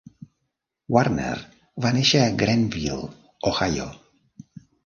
Warner va néixer a Granville, Ohio.